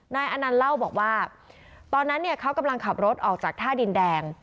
อนันต์เล่าบอกว่าตอนนั้นเนี่ยเขากำลังขับรถออกจากท่าดินแดง